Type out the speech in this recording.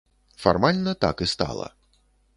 Фармальна так і стала.